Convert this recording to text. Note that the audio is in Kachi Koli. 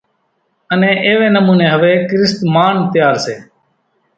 انين ايوي نموني ھوي ڪريست مانَ تيار سي۔